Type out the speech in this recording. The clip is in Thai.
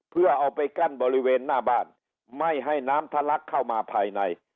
เพื่อเอาไปกั้นบริเวณหน้าบ้านไม่ให้น้ำทะลักเข้ามาภายใน